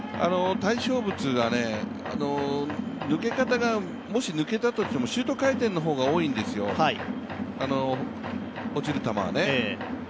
対象物がね、抜け方がもし抜けたとしてもシュート回転の方が多いんですよ、落ちる球はね。